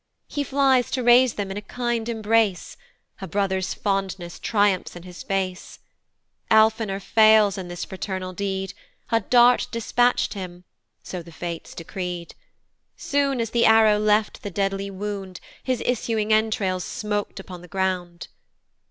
He flies to raise them in a kind embrace; A brother's fondness triumphs in his face: Alphenor fails in this fraternal deed, A dart dispatch'd him (so the fates decreed:) Soon as the arrow left the deadly wound, His issuing entrails smoak'd upon the ground.